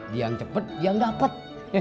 dia yang cepet dia yang dapet